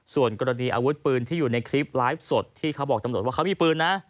ส่วนกรณีอาวุธปืนที่อยู่ในคลิปไลฟ์สดที่เขาบอกตำรวจว่าเขามีปืนนะ